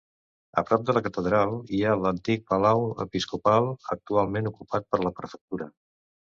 A prop de la catedral hi ha l'antic palau episcopal, actualment ocupat per la prefectura.